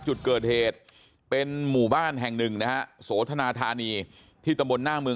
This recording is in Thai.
จุดเกิดเหตุเป็นหมู่บ้านแห่งหนึ่งนะฮะโสธนาธานีที่ตำบลหน้าเมือง